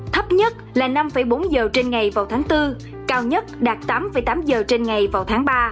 thấp nhất là năm bốn giờ trên ngày vào tháng bốn cao nhất đạt tám tám giờ trên ngày vào tháng ba